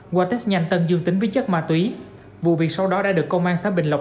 qua test nhanh tân dương tính với chất ma túy vụ việc sau đó đã được công an xã bình lộc